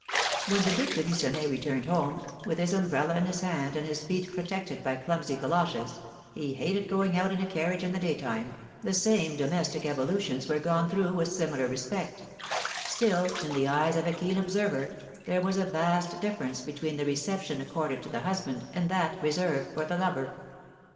When the Duc de Lucenay returned home, with his umbrella in his hand and his feet protected by clumsy goloshes (he hated going out in a carriage in the daytime), the same domestic evolutions were gone through with similar respect; still, in the eyes of a keen observer, there was a vast difference between the reception accorded to the husband and that reserved for the lover.